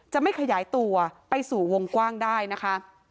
จะไม่ขยายตัวไปสู่วงกว้างได้นะคะ